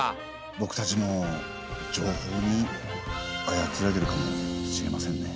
ぼくたちも情報にあやつられているかもしれませんね。